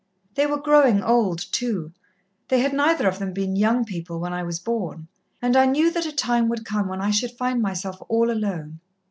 They were growing old, too they had neither of them been young people when I was born and I knew that a time would come when I should find myself all alone.